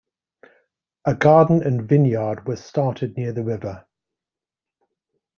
A garden and vinyard were started near the river.